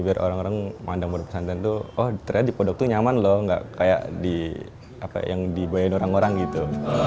biar orang orang pandang pondok pesantren itu oh ternyata di pondok itu nyaman loh gak kayak yang dibayar orang orang gitu